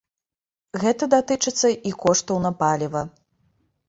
Гэта датычыцца і коштаў на паліва.